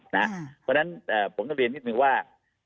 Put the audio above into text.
เพราะฉะนั้นผมต้องเรียนนิดนึงว่า